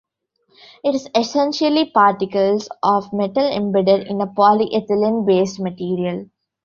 It is essentially particles of metal embedded in a polyethylene-based material.